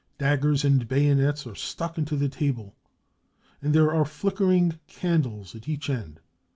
Daggers and bayonets are stuck into the table, and there are flickering candles at each end.